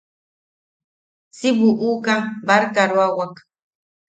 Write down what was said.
Si buʼuka barkaroawak.